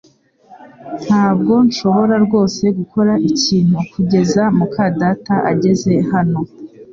Ntabwo nshobora rwose gukora ikintu kugeza muka data ageze hano